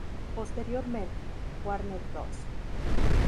Posteriormente, Warner Bros.